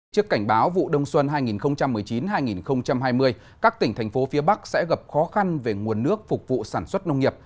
trước cảnh báo vụ đông xuân hai nghìn một mươi chín hai nghìn hai mươi các tỉnh thành phố phía bắc sẽ gặp khó khăn về nguồn nước phục vụ sản xuất nông nghiệp